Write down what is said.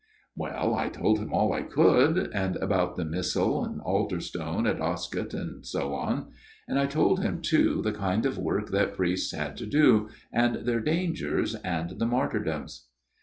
" Well, I told him all I could, and about the missal and altar stone at Oscott, and so on ; and I told him, too, the kind of work that priests had to do, and their dangers, and the martyrdoms.